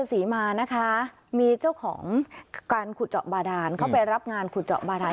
ศรีมานะคะมีเจ้าของการขุดเจาะบาดานเข้าไปรับงานขุดเจาะบาดาน